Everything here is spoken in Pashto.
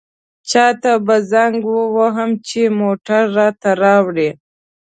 چاته به زنګ ووهم چې موټر راته راوړي.